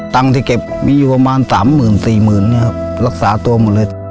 ตังค์ที่เก็บมีอยู่ประมาณ๓๐๐๐๐๔๐๐๐๐บาทรักษาตัวหมดเลย